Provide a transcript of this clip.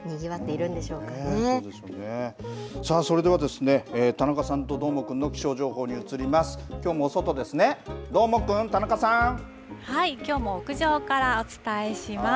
さあ、それではですね、田中さんとどーもくんの気象情報に移ります。